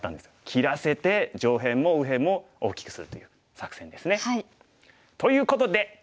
切らせて上辺も右辺も大きくするという作戦ですね。ということで。